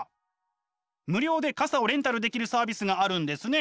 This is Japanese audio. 無料で傘をレンタルできるサービスがあるんですね！